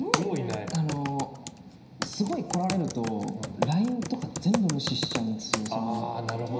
すごい来られるとＬＩＮＥとか全部無視しちゃうんですよ。